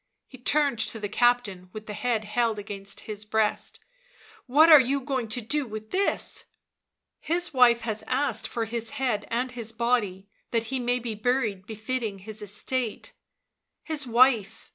He turned to the captain, with the head held against his breast. "What are you going to do with this?" " His wife has asked for his head and his body that he may be buried befitting his estate." "His wife!"